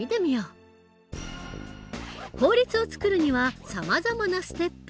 法律を作るにはさまざまなステップが存在する。